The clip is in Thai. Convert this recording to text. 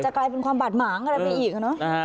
จะกลายเป็นความบาดหมางอะไรไม่อีกหรอ